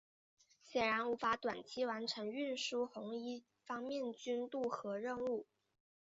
显然无法短期完成运输红一方面军渡河任务。